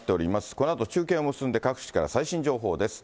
このあと中継を結んで各地から最新情報です。